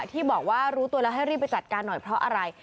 ที่บอกว่ารู้ตัวแล้วให้รีบไปจัดการหน่อยเพราะอะไร